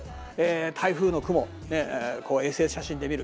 台風の雲衛星写真で見る。